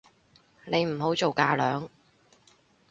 你唔好做架樑